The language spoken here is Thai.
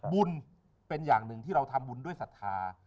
บุญเป็นอย่างหนึ่งที่เราทำบุญด้วยศรัทธา